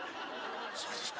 「そうですか」